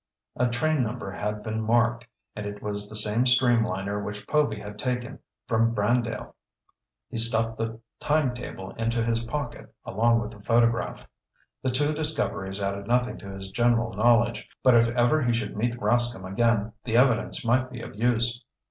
A train number had been marked, and it was the same streamliner which Povy had taken from Brandale. He stuffed the time table into his pocket along with the photograph. The two discoveries added nothing to his general knowledge, but if ever he should meet Rascomb again, the evidence might be of use.